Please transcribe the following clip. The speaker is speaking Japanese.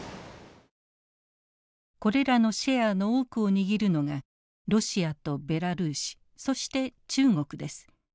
これらのシェアの多くを握るのがロシアとベラルーシそして中国です。